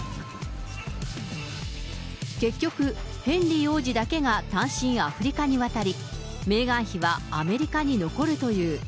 結局、ヘンリー王子だけが単身アフリカに渡り、メーガン妃はアメリカに残るという。